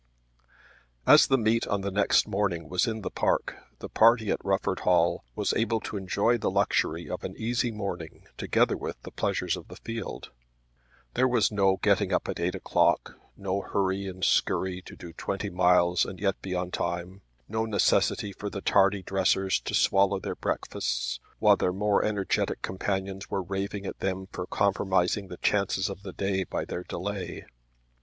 As the meet on the next morning was in the park the party at Rufford Hall was able to enjoy the luxury of an easy morning together with the pleasures of the field. There was no getting up at eight o'clock, no hurry and scurry to do twenty miles and yet be in time, no necessity for the tardy dressers to swallow their breakfasts while their more energetic companions were raving at them for compromising the chances of the day by their delay.